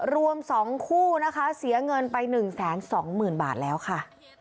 รวมสองคู่นะคะเสียเงินไปหนึ่งแสนสองหมื่นบาทแล้วค่ะ